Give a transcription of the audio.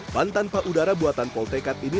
ban tanpa udara buatan poltekad ini